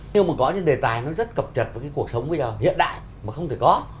nhưng mà có những đề tài nó rất cập nhật với cái cuộc sống bây giờ hiện đại mà không thể có